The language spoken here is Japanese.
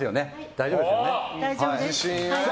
大丈夫ですよね。